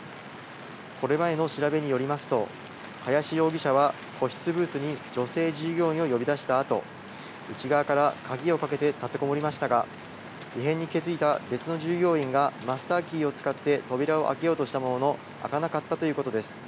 これまでの調べによりますと林容疑者は個室ブースに女性従業員を呼び出したあと、内側から鍵をかけて立てこもりましたが異変に気付いた別の従業員が、マスターキーを使って扉を開けようとしたものの開かなかったということです。